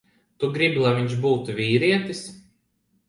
Tu gribi, lai viņš būtu vīrietis.